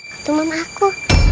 itu mama aku